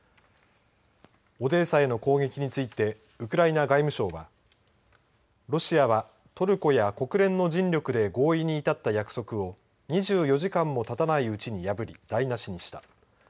オデーサへの攻撃についてウクライナ外務省はロシアは、トルコや国連の尽力で合意に至った約束を２４時間もたたないうちに破り台なしにした。